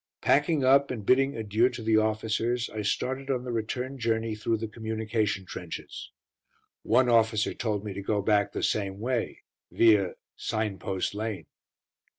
Packing up, and bidding adieu to the officers, I started on the return journey through the communication trenches. One officer told me to go back the same way, via "Signpost Lane."